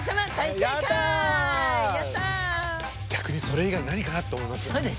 逆にそれ以外何かな？と思います。